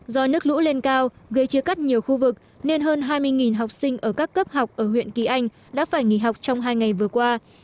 do nước lũ lên cao gây chia cắt nhiều khu vực nên hơn hai mươi học sinh ở các cấp học ở huyện kỳ anh đã phải nghỉ học trong hai ngày vừa qua